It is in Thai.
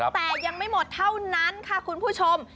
แต่ยังไม่หมดเท่านั้นค่ะคุณผู้ชม